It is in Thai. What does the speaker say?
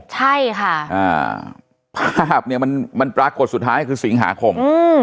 ใช่ค่ะภาพเนี่ยมันปรากฏสุดท้ายคือสิงหาคม